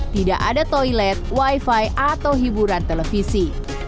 tidak ada toilet wifi atau hiburan televisi